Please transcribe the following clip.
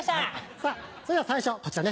さぁそれでは最初こちらね。